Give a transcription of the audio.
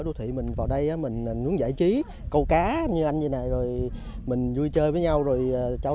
đô thị mình vào đây mình muốn giải trí câu cá như anh như này rồi mình vui chơi với nhau rồi cháu